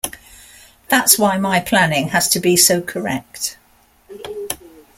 That's why my planning has to be so correct.